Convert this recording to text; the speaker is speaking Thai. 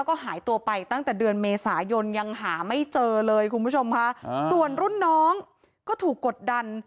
ก็หายตัวไปตั้งแต่เดือนเมษายนยังหาไม่เจอเลยคุณผู้ชมค่ะส่วนรุ่นน้องก็ถูกกดดัน